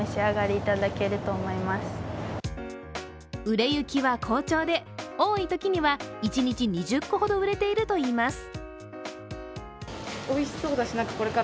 売れ行きは好調で、多いときには一日２０個ほど売れているといいます。